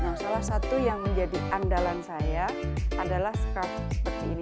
nah salah satu yang menjadi andalan saya adalah sekarang seperti ini